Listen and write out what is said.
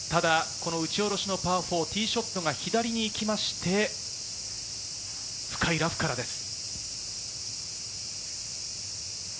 打ち下ろしのパー４、ティーショットが左に行きまして、深いラフからです。